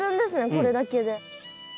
これだけで。